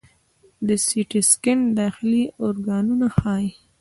د سی ټي سکین داخلي ارګانونه ښيي.